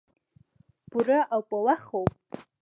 پوره او پۀ وخت خوب